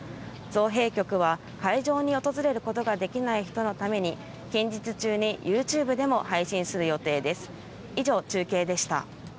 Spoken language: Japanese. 造幣局は会場を訪れることができない人のために近日中にＹｏｕＴｕｂｅでも桜の映像を配信するということです。